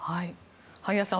萩谷さん